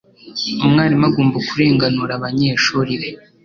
Umwarimu agomba kurenganura abanyeshuri be.